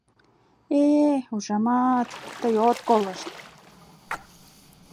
— Э-э, ужамат, тый от колышт!